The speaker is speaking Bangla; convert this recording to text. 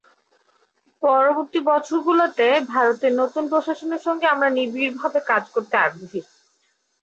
পরবর্তী বছরগুলোতে ভারতের নতুন প্রশাসনের সঙ্গে আমরা নিবিড়ভাবে কাজ করতে আগ্রহী।